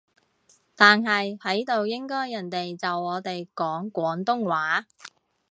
但係喺度應該人哋就我哋講廣東話